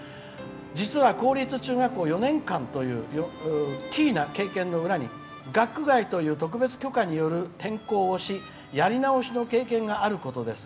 実は公立中学校４年間という奇異な経験な裏に学区外という特別許可による転校をしやり直しの経験があることです」。